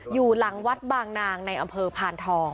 อยู่หลังวัดบางนางในอำเภอพานทอง